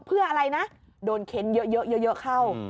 เพื่ออะไรนะโดนเค้นเยอะเข้า